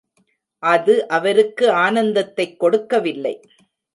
அது அவருக்கு ஆனந்தத்தைக் கொடுக்கவில்லை.